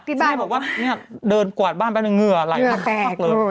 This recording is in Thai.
ช่างให้บอกว่าเดินกวาดบ้านแปลงเงื่อไหลมากเลย